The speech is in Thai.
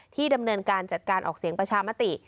ดำเนินการจัดการออกเสียงประชามติ